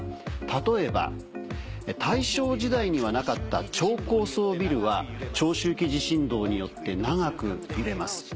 例えば大正時代にはなかった超高層ビルは長周期地震動によって長く揺れます。